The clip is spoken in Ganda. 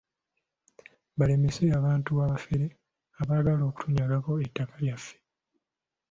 Balemese abantu abafere abaagala okutunyagako ettaka lyaffe.